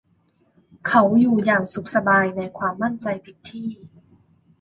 เขาอยู่อย่างสุขสบายในความมั่นใจผิดที่